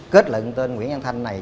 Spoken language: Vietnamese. kết luận tên nguyễn văn thanh này